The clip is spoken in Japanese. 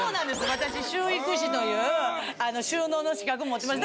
私収育士という収納の資格持ってまして。